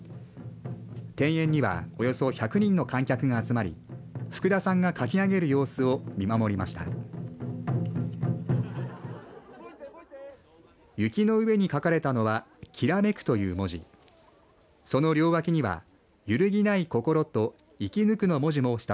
庭園にはおよそ１００人の観客が集まり福田さんが書き上げる様子を見守りました。